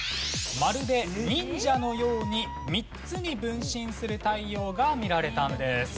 まるで忍者のように３つに分身する太陽が見られたんです。